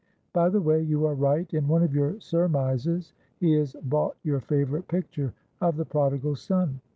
By the way, you are right in one of your surmises he has bought your favourite picture of the Prodigal Son.